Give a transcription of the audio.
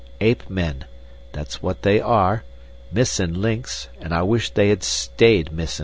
Ape men that's what they are Missin' Links, and I wish they had stayed missin'.